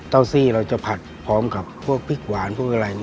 ซี่เราจะผัดพร้อมกับพวกพริกหวานพวกอะไร